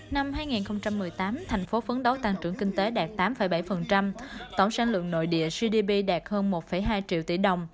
năm hai nghìn một mươi tám thành phố phấn đấu tăng trưởng kinh tế đạt tám bảy tổng sản lượng nội địa gdp đạt hơn một hai triệu tỷ đồng